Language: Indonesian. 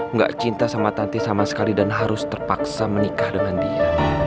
nggak cinta sama tanti sama sekali dan harus terpaksa menikah dengan dia